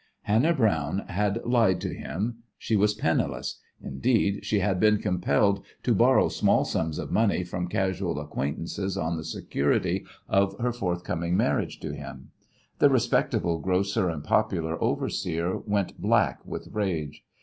Hannah Browne had lied to him. She was penniless; indeed, she had been compelled to borrow small sums of money from casual acquaintances on the security of her forthcoming marriage to him. The respectable grocer and popular overseer went black with rage.